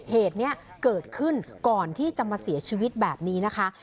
เหตุนี้เกิดขึ้นก่อนที่จะมาเสียชีวิตแบบนี้นะคะ